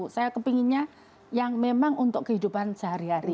saya kepinginnya yang memang untuk kehidupan sehari hari